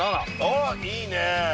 あっいいね。